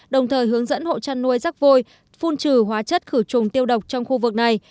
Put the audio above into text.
đồng thời hướng dẫn hộ chăn nuôi rắc vôi phun trừ hóa chất khử trùng tiêu độc trong khu vực này